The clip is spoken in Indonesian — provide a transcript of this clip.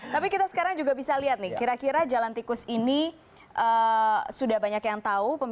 tapi kita sekarang juga bisa lihat nih kira kira jalan tikus ini sudah banyak yang tahu